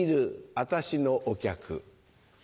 私のお客。